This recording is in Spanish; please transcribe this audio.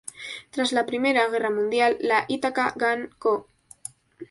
Tras la Primera Guerra Mundial, la Ithaca Gun Co.